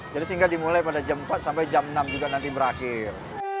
jadi sehingga dimulai pada jam empat sampai jam enam juga nanti berakhir